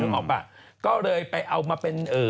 หนูออกไปก็เลยไปเอามาเป็น